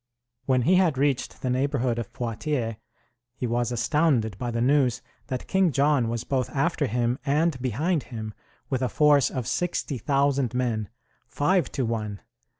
When he had reached the neighborhood of Poitiers, he was astounded by the news that King John was both after him and behind him, with a force of 60,000 men five to one!